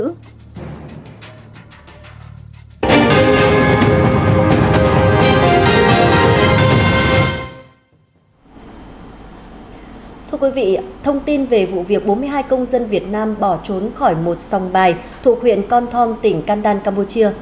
thưa quý vị thông tin về vụ việc bốn mươi hai công dân việt nam bỏ trốn khỏi một sòng bài thuộc huyện con thong tỉnh kandan campuchia